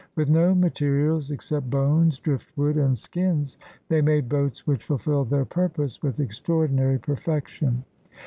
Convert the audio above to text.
With no materials except bones, driftwood, and skins they made boats which fulfilled their purpose with extraordinary perfection.